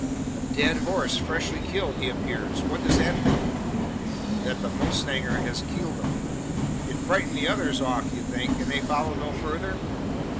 "A dead horse! Freshly killed, he appears? What does that prove?" "That the mowstanger hes killed him." "It frightened the others off, you think, and they followed no further?"